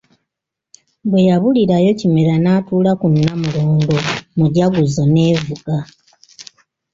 Bwe yabulirayo Kimera n’atuula ku Nnamulondo, mujaguzo n'evuga.